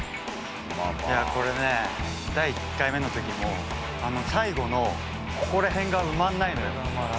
これね、第１回目のときも、最後のここらへんが埋まらないのよ。